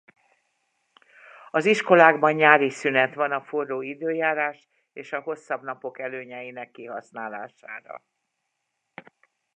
Az iskolákban nyári szünet van a forró időjárás és a hosszabb napok előnyeinek kihasználására.